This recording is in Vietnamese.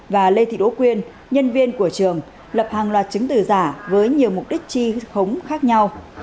và lê thị đỗ quyên nhân viên của trường lập hàng loạt chứng từ giả với nhiều mục đích chi khống khác nhau